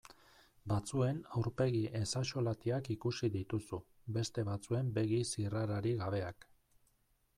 Batzuen aurpegi ezaxolatiak ikusi dituzu, beste batzuen begi zirrararik gabeak.